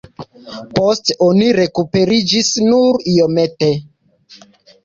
Poste oni rekuperiĝis nur iomete.